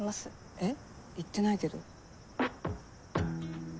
えっ言ってないけど。